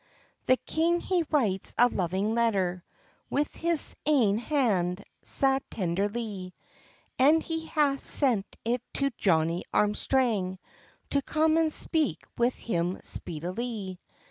The king he writes a loving letter, With his ain hand sae tenderlie, And he hath sent it to Johnnie Armstrang, To come and speak with him speedilie.